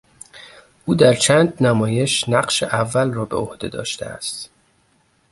او در چند نمایش نقش اول را بهعهده داشته است.